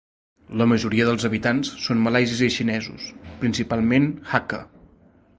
La majoria dels habitants són malaisis i xinesos, principalment hakka.